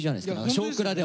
「少クラ」では。